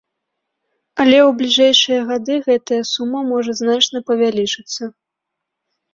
Але ў бліжэйшыя гады гэтая сума можа значна павялічыцца.